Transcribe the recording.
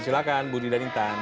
silahkan budi dan intan